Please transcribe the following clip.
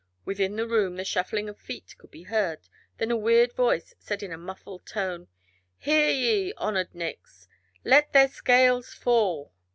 Within the room the shuffling of feet could be heard, then a weird voice said in a muffled tone: "Hear ye! Honored Nicks! Let their scales fall!"